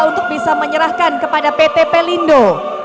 untuk bisa menyerahkan kepada ptp lindo